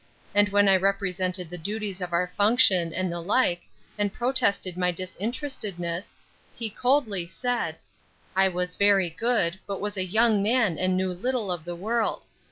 And when I represented the duties of our function, and the like, and protested my disinterestedness, he coldly said, I was very good; but was a young man, and knew little of the world.